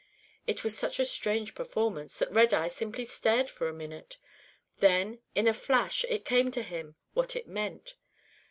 It was such a strange performance that Redeye simply stared for a minute. Then in a flash it came to him what it meant.